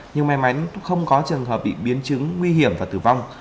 nhưng may mắn không có trường hợp bị biến chứng nguy hiểm và tử vong